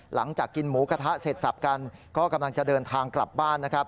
หลังจากกินหมูกระทะเสร็จสับกันก็กำลังจะเดินทางกลับบ้านนะครับ